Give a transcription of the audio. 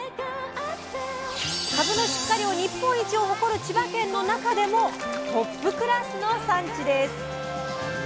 かぶの出荷量日本一を誇る千葉県の中でもトップクラスの産地です！